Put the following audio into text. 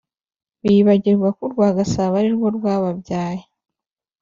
Bibagirwa ko urwa Gasabo arirwo rwababyaye